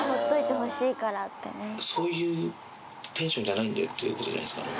そういうテンションじゃないんでっていうことじゃないですかね。